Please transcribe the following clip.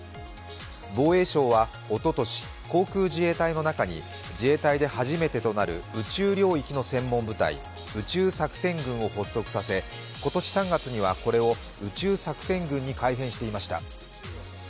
防衛省はおととし航空自衛隊の中に自衛隊で初めてとなる宇宙領域の専門部隊宇宙作戦群を発足させ今年３月にはこれを宇宙作戦群に改編していました。